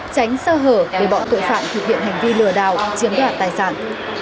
tránh sơ hở để bọn tội phạm thực hiện hành vi lừa đảo chiếm đoạt tài sản